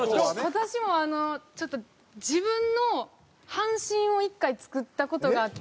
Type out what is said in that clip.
私もあのちょっと自分の半身を１回作った事があって。